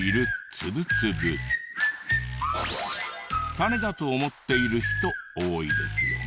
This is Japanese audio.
種だと思っている人多いですよね？